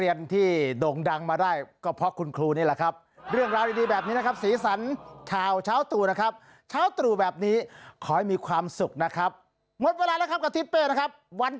อย่างนี้ก็แปลกดีนะครับ